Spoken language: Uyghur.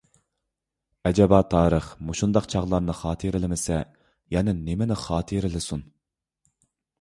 ئەجەبا تارىخ مۇشۇنداق چاغلارنى خاتىرىلىمىسە، يەنە نېمىنى خاتىرىلىسۇن!